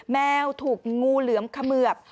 แมวถูกงูเหลือมเขมือบ